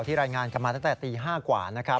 รายงานกันมาตั้งแต่ตี๕กว่านะครับ